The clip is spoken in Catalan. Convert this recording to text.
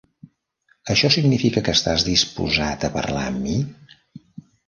Això significa que estàs disposat a parlar amb mi?